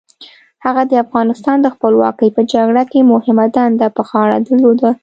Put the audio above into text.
هغه د افغانستان د خپلواکۍ په جګړه کې مهمه دنده په غاړه درلوده.